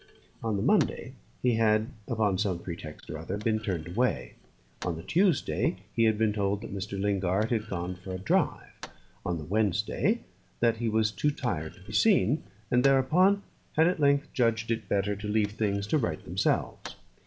On the Monday, he had, upon some pretext or other, been turned away; on the Tuesday, he had been told that Mr. Lingard had gone for a drive; on the Wednesday, that he was much too tired to be seen; and thereupon had at length judged it better to leave things to right themselves.